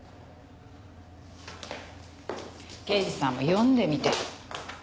刑事さんも読んでみてよ。